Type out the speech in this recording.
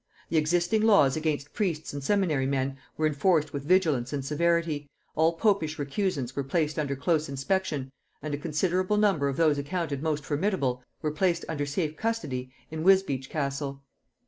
The existing laws against priests and seminary men were enforced with vigilance and severity, all popish recusants were placed under close inspection, and a considerable number of those accounted most formidable were placed under safe custody in Wisbeach castle.